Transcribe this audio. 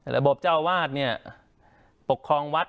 ระบบเจ้าอาวาสปกครองวัด